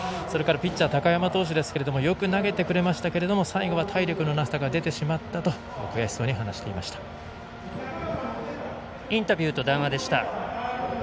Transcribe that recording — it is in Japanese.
それからピッチャーの高山投手ですがよく投げてくれましたけれども最後は体力のなさが出てしまったとインタビューと談話でした。